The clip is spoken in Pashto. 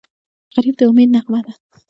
غریب د امید نغمه ده